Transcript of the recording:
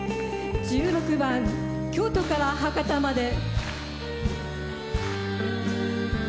１６番「京都から博多まで」。